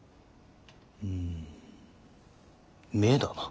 うん目だな。